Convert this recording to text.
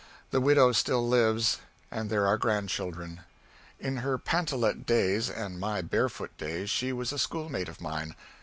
The widow still lives, and there are grandchildren. In her pantalette days and my barefoot days she was a schoolmate of mine.